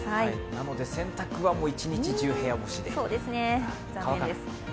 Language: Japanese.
なので洗濯は一日中部屋干しで。